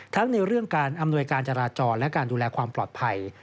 ในเรื่องการอำนวยการจราจรและการดูแลความปลอดภัย